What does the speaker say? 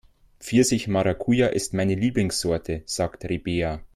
Pfirsich-Maracuja ist meine Lieblingssorte, sagt Rabea.